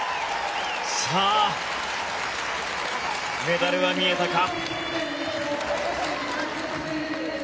メダルは見えたか。